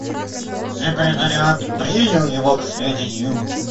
Секретариат принял его к сведению.